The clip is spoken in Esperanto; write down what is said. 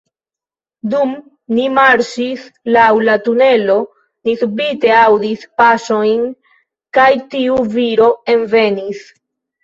Dum ni marŝis laŭ la tunelo, ni subite aŭdis paŝojn, kaj tiu viro envenis.